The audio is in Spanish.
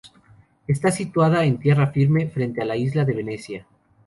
Está situada en tierra firme, frente a la isla de Venecia.